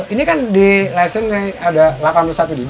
ini kan di lesson nya ada delapan puluh satu db